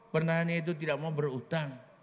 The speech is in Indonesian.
petani itu tidak mau berutang